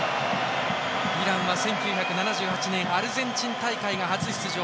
イランは１９７８年アルゼンチン大会が初出場。